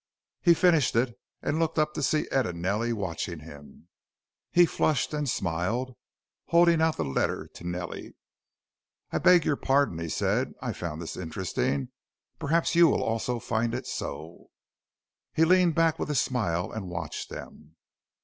He finished it and looked up, to see Ed and Nellie watching him. He flushed and smiled, holding out the letter to Nellie. "I beg your pardon," he said. "I found this interesting. Perhaps you will also find it so." He leaned back with a smile and watched them.